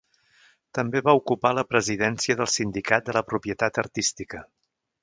També va ocupar la presidència del sindicat de la propietat artística.